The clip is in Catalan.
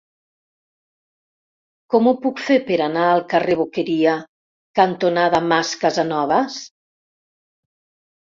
Com ho puc fer per anar al carrer Boqueria cantonada Mas Casanovas?